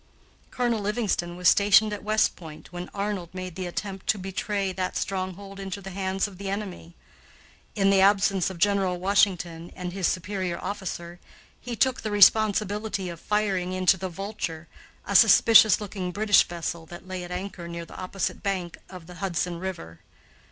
Colonel Livingston was stationed at West Point when Arnold made the attempt to betray that stronghold into the hands of the enemy. In the absence of General Washington and his superior officer, he took the responsibility of firing into the Vulture, a suspicious looking British vessel that lay at anchor near the opposite bank of the Hudson River.